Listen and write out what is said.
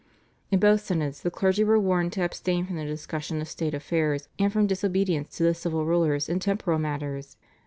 In both synods the clergy were warned to abstain from the discussion of state affairs and from disobedience to the civil rulers in temporal matters.